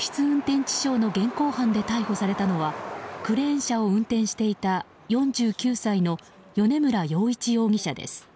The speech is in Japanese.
運転致傷の現行犯で逮捕されたのはクレーン車を運転していた４９歳の米村洋一容疑者です。